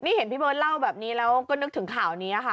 นี่เห็นพี่เบิร์ตเล่าแบบนี้แล้วก็นึกถึงข่าวนี้ค่ะ